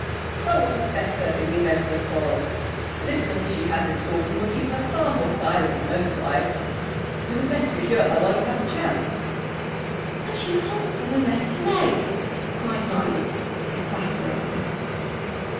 "Well, what is better, in the event of a quarrel? The difficulty she has in talking will keep her far more silent than most wives. You had best secure her while you have the chance." "But she halts on the left leg," cried Leibel, exasperated.